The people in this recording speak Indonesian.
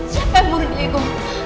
siapa yang membunuh diego